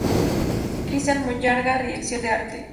Cristián Mayorga: Dirección de arte.